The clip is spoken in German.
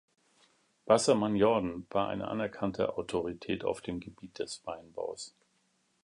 Bassermann-Jordan war eine anerkannte Autorität auf dem Gebiet des Weinbaus.